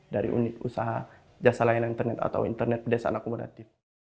dari unit usaha jasa layanan internet atau internet desa akomodatif